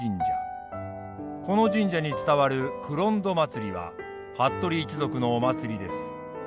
この神社に伝わる黒党まつりは服部一族のお祭りです。